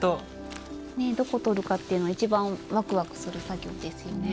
ねえどこ取るかっていうのが一番ワクワクする作業ですよね。